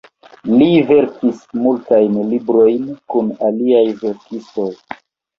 Li verkis multajn librojn kun aliaj verkistoj.